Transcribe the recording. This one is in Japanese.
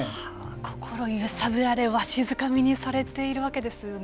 心揺さぶられわしづかみにされているわけですよね。